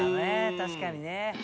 確かにね。